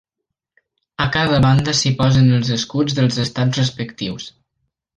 A cada banda s'hi posen els escuts dels estats respectius.